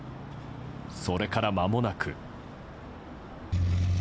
それからまもなく。